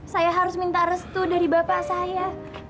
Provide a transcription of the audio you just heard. saya harus minta restu dari bapak saya